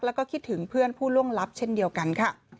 แล้วก็คิดถึงเพื่อนผู้ล่วงลับเช่นเดียวกันค่ะ